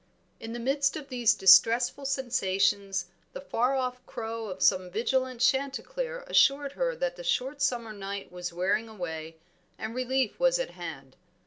In the midst of these distressful sensations the far off crow of some vigilant chanticleer assured her that the short summer night was wearing away and relief was at hand.